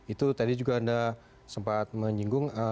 itu tadi anda juga sempat menyinggung